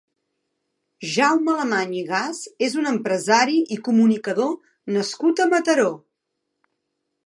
Jaume Alemany i Gas és un empresari i comunicador nascut a Mataró.